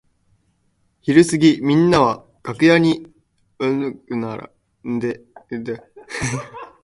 ひるすぎみんなは楽屋に円くならんで今度の町の音楽会へ出す第六交響曲の練習をしていました。